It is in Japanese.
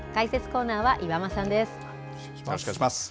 よろしくお願いします。